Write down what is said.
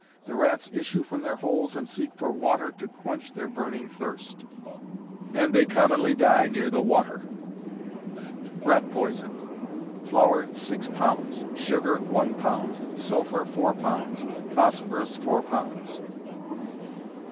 The rats issue from their holes and seek for water to quench their burning thirst, and they commonly die near the water. Rat Poison. Flour, six pounds; sugar, one pound; sulphur, four pounds; phosphorus, four pounds.